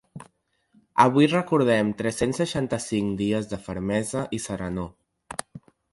Avui recordem tres-cents seixanta-cinc dies de fermesa i serenor.